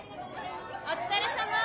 お疲れさま！